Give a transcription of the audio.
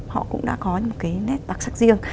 họ cũng đã có những cái nét đặc sắc riêng